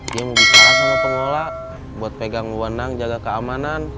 dia mau bicara sama pengelola buat pegang wenang jaga keamanan